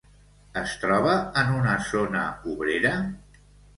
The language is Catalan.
Es troba en una zona obrera?